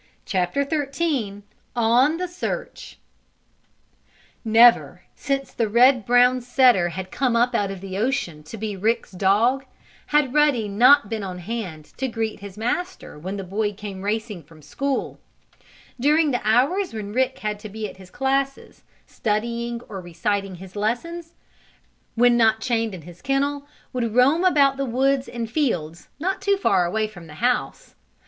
CHAPTER XIII ON THE SEARCH Never, since the red brown setter had come up out of the ocean to be Rick's dog, had Ruddy not been on hand to greet his master when the boy came racing from school. During the hours when Rick had to be at his classes, studying or reciting his lessons, Ruddy, when not chained in his kennel, would roam about the woods and fields, not too far away from the house.